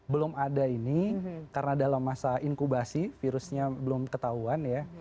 belum ada ini karena dalam masa inkubasi virusnya belum ketahuan ya